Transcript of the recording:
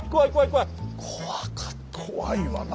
怖いわな。